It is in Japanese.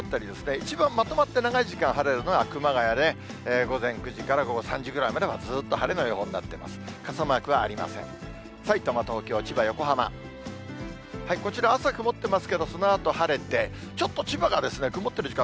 一番まとまって長い時間、晴れるのは熊谷で、午前９時から午後３時ぐらいまでずっと晴れの予報になってます。